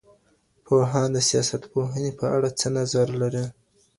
پوهان د سياستپوهني په اړه څه نظر لري؟